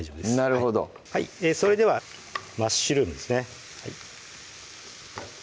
なるほどそれではマッシュルームですね